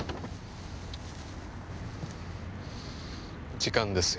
時間ですよ。